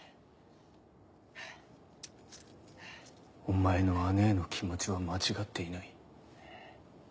お前の姉への気持ちは間違っていない。